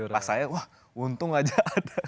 pas saya wah untung aja